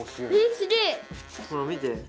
見て。